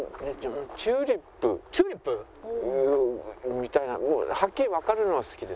チューリップ？みたいなはっきりわかるのが好きです。